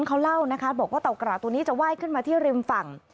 เขาเล่านะคะบอกว่าเต่ากระตัวนี้จะไหว้ขึ้นมาที่ริมฝั่ง